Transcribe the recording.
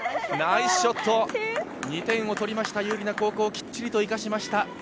ナイスショット、２点を取りました、有利な後攻、きっちりと生かしました。